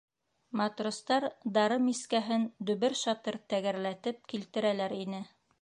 Матростар дары мискәһен дөбөр-шатыр тәгәрләтеп килтерәләр ине.